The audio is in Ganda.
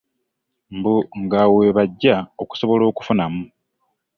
Mbu ng'awo we bajja okusobola okufunamu.